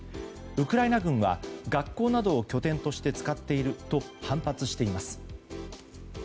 ウクライナ軍は学校などを拠点として使っていると反発しています。